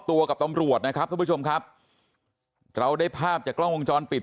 ตัวกับตำรวจนะครับท่านผู้ชมครับเราได้ภาพจากกล้องวงจรปิด